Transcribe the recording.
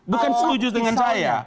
bukan setuju dengan saya